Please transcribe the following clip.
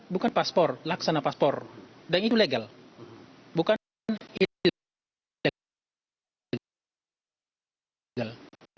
bukan paspor laksana paspor dan itu legal bukan itu